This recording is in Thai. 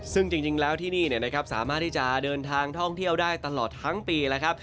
ซึ่งจริงแล้วที่นี่สามารถที่จะเดินทางท่องเที่ยวได้ตลอดทั้งปีแล้วครับ